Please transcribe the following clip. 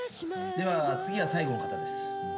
では次が最後の方です。